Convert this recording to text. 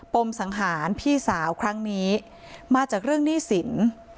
มสังหารพี่สาวครั้งนี้มาจากเรื่องหนี้สิน